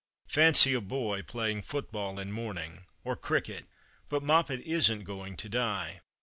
"Fancy a boy playing football in mourning — or cricket ! But Moppet isn't going to die.